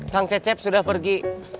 kang cecep sudah pergi